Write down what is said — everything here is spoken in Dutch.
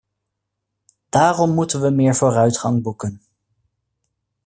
Daarom moeten we meer vooruitgang boeken.